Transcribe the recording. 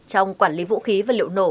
trong quản lý vũ khí vật liệu nổ